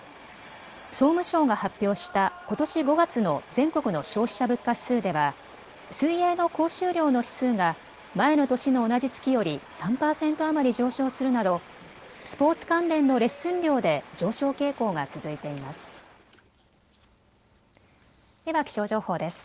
総務省が発表したことし５月の全国の消費者物価指数では水泳の講習料の指数が前の年の同じ月より３％余り上昇するなどスポーツ関連のレッスン料で上昇傾向が続いています。